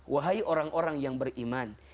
wahai orang orang yang beriman